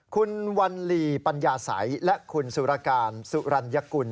คุณวัลลีปัญญาสัยและคุณสุรการสุรัญกุล